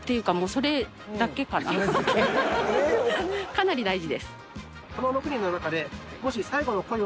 かなり大事です。